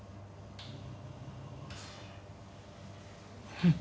うん。